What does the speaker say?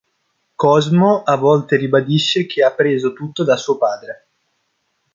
Cosmo a volte ribadisce che "ha preso tutto da suo padre!